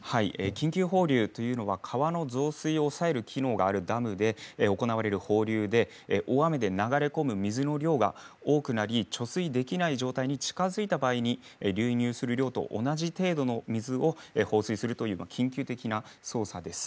緊急放流というのは川の増水を抑える機能があるダムで行われる放流で、大雨で流れ込む水の量が多くなり貯水できない状態に近づいた場合に流入する量と同じ程度の水を放水するという緊急的な操作です。